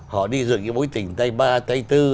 họ đi dựng những bối tình tây ba tây tư